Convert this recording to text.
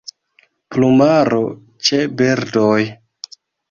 Plumaro ĉe birdoj.